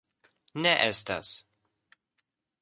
Ne estas.